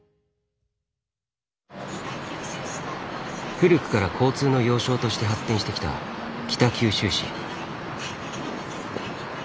古くから交通の要衝として発展してきた北九州市。